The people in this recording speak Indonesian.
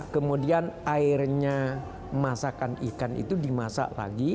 kemudian airnya masakan ikan itu dimasak lagi